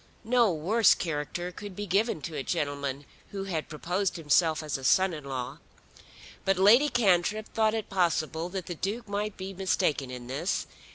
No worse character could be given to a gentleman who had proposed himself as a son in law. But Lady Cantrip thought it possible that the Duke might be mistaken in this.